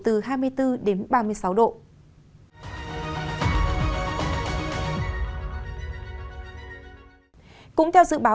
cũng theo dự báo của trung tâm khí tượng thủy văn quốc gia sang tháng năm sáu mức độ nắng nóng có thể gia tăng gai gắt hơn so với trung bình nhiều năm cùng thời kỳ